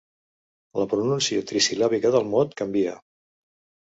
La pronúncia trisil·làbica del mot "canvia".